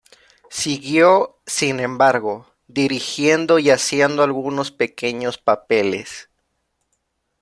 Siguió, sin embargo, dirigiendo y haciendo algunos pequeños papeles.